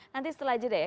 nanti setelah jeda ya